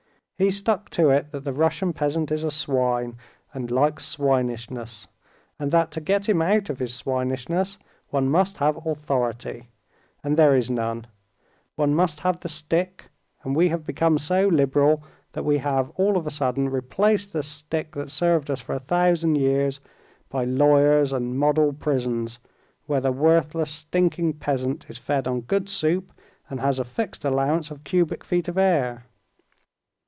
He stuck to it that the Russian peasant is a swine and likes swinishness, and that to get him out of his swinishness one must have authority, and there is none; one must have the stick, and we have become so liberal that we have all of a sudden replaced the stick that served us for a thousand years by lawyers and model prisons, where the worthless, stinking peasant is fed on good soup and has a fixed allowance of cubic feet of air.